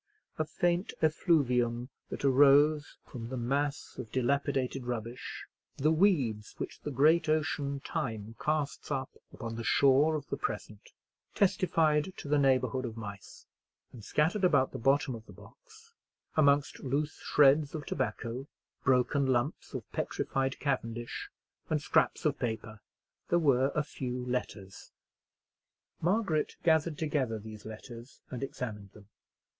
A faint effluvium that arose from the mass of dilapidated rubbish—the weeds which the great ocean Time casts up upon the shore of the present—testified to the neighbourhood of mice: and scattered about the bottom of the box, amongst loose shreds of tobacco—broken lumps of petrified cavendish—and scraps of paper, there were a few letters. Margaret gathered together these letters, and examined them.